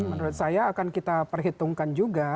menurut saya akan kita perhitungkan juga